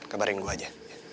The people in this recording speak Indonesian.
kabarin gue aja